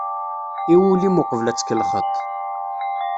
I wul-im uqbel ad tkellxeḍ-t.